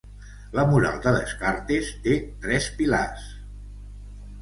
La moral de Descartes té tres pilars: